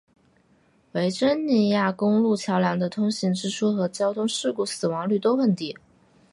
维珍尼亚公路桥梁的通行支出和交通事故死亡率都很低。